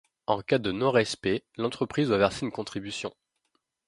En cas de non-respect, l'entreprise doit verser une contribution.